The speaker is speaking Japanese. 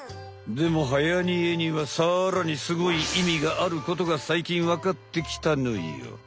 でもはやにえにはさらにすごいいみがあることがさいきんわかってきたのよ。